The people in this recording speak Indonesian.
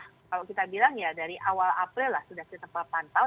kalau kita bilang ya dari awal april lah sudah kita pantau